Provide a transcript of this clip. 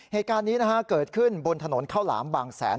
เหตุการณ์นี้เกิดขึ้นบนถนนข้าวหลามบางแสน